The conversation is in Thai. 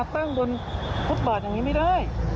ตั้งบนฟุตบาทอย่างนี้ไม่ได้